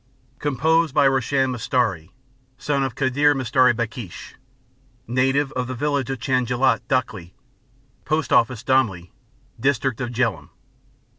Composed by Roshan mistari, son of Kadur mistari Bakhsh, native of the village of Chajanlat, Dakhli, Post Office Domli, district of Jhelum.